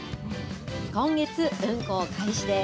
今月、運行開始です。